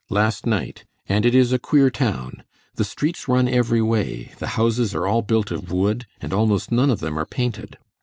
last night, and it is a queer town. The streets run every way, the houses are all built of wood, and almost none of them are painted.